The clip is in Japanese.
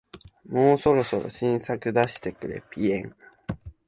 もうそろそろ新作出してくれ